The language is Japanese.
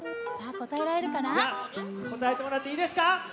こたえてもらっていいですか？